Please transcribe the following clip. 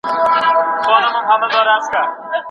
یار مې د ګلو لو کوي.